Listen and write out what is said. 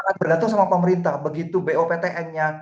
jadi sangat bergantung sama pemerintah begitu boptn nya